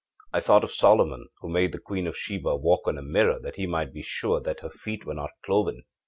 I thought of Solomon, who made the Queen of Sheba walk on a mirror that he might be sure that her feet were not cloven.